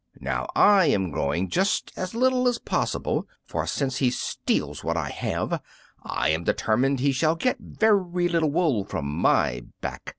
Now I am growing just as little as possible, for since he steals what I have I am determined he shall get very little wool from my back."